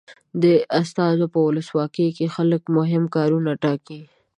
د استازو په ولسواکي کې خلک مهم کارونه ټاکي.